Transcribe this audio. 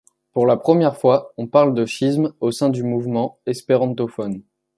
Pour la première fois on parle de schisme au sein du mouvement espérantophone.